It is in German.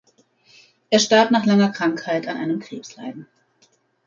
Er starb nach langer Krankheit an einem Krebsleiden.